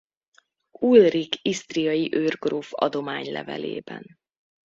Ulrik isztriai őrgróf adománylevelében.